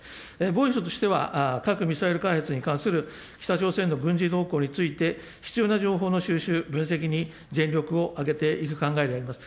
防衛省としては、核・ミサイル開発に関する北朝鮮の軍事動向について、必要な情報の収集、分析に全力を挙げていく考えであります。